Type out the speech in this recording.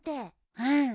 うん。